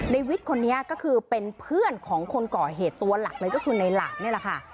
ในวิทย์คนนี้ก็คือเป็นเพื่อนของคนก่อเหตุตัวหลักเลยก็คือในหลาดนี่แหละค่ะ